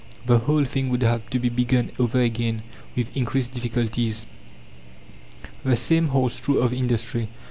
The whole thing would have to be begun over again, with increased difficulties. The same holds true of industry.